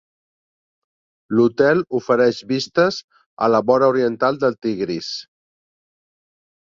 L'hotel ofereix vistes a la vora oriental del Tigris.